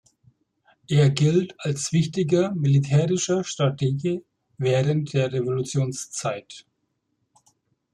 Er gilt als wichtiger militärischer Stratege während der Revolutionszeit.